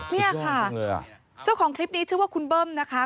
นี่ค่ะเจ้าของคลิปนี้ชื่อว่าคุณเบิ้มนะคะ